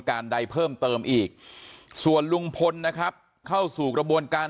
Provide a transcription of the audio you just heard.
การใดเพิ่มเติมอีกส่วนลุงพลนะครับเข้าสู่กระบวนการ